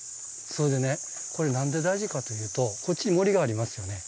それでねこれ何で大事かというとこっちに森がありますよね。